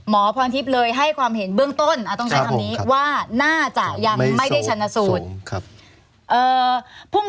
หมอพรทิพย์เลยให้ความเห็นเบื้องต้นต้องใช้คำนี้ว่าน่าจะยังไม่ได้ชันสูตร